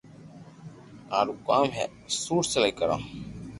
مارو ڪوم ھي سوٽ سلائي ڪرو